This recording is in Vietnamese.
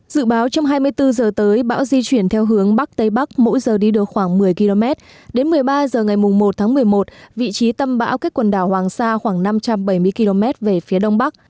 dự báo trong hai mươi bốn giờ tới bão di chuyển theo hướng bắc tây bắc mỗi giờ đi được khoảng một mươi km đến một mươi ba h ngày một tháng một mươi một vị trí tâm bão cách quần đảo hoàng sa khoảng năm trăm bảy mươi km về phía đông bắc